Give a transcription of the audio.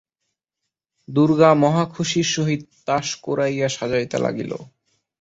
-দুর্গা মহাখুশির সহিত তাস কুড়াইয়া সাজাইতে লাগিল।